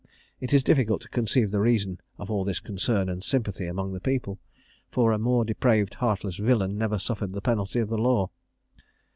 It is difficult to conceive the reason of all this concern and sympathy among the people; for a more depraved, heartless villain never suffered the penalty of the law.